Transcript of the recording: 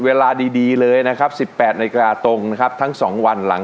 เวลาดีเลยนะครับสิบแปดนเวลาตรงนะครับทั้งสองวันหลัง